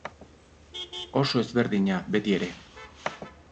Oso ezberdina, beti ere.